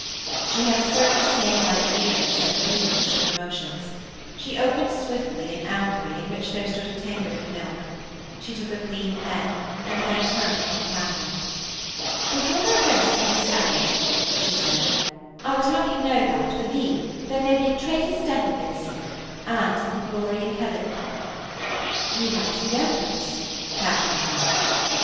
She had a certain snake like eagerness and vehemence in her motions. She opened swiftly an aumbry in which there stood a tankard of milk. She took a clean pen, and then turned upon Katharine. 'Before thou goest upon this errand,' she said, 'I would have thee know that, for thee, there may be a traitor's death in this and some glory in Heaven.' 'You write to the Empress,' Katharine cried.